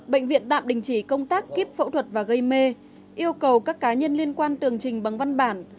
bệnh viện tạm đình chỉ công tác kiếp phẫu thuật và gây mê yêu cầu các cá nhân liên quan tường trình bằng văn bản